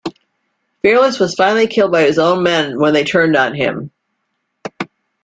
Fairless was finally killed by his own men when they turned on him.